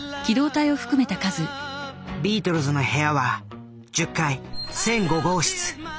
ビートルズの部屋は１０階１００５号室。